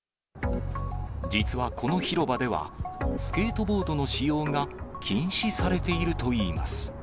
実はこの広場では、スケートボードの使用が禁止されているといいます。